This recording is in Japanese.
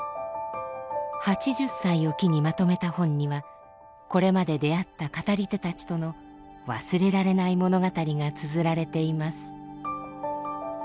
８０歳を機にまとめた本にはこれまで出会った語り手たちとの忘れられない物語がつづられています。